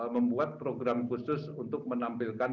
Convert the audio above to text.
membuat program khusus untuk menampilkan